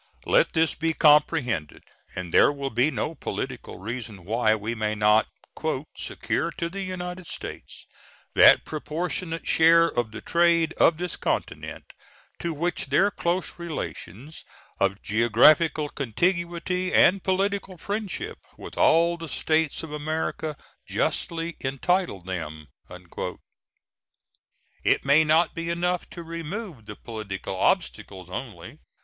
Let this be comprehended, and there will be no political reason why we may not "secure to the United States that proportionate share of the trade of this continent to which their close relations of geographical contiguity and political friendship with all the States of America justly entitle them." It may not be enough to remove the political obstacles only.